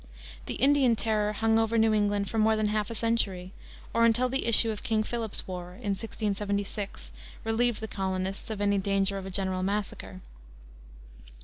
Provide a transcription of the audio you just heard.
The Indian terror hung over New England for more than half a century, or until the issue of King Philip's War, in 1676, relieved the colonists of any danger of a general massacre.